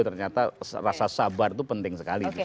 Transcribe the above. ternyata rasa sabar itu penting sekali